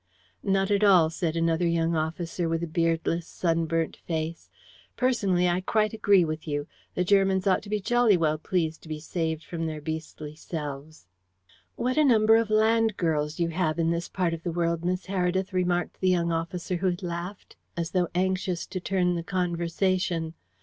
"Not at all," said another young officer, with a beardless sunburnt face. "Personally, I quite agree with you. The Germans ought to be jolly well pleased to be saved from their beastly selves." "What a number of land girls you have in this part of the world, Miss Heredith," remarked the young officer who had laughed, as though anxious to turn the conversation.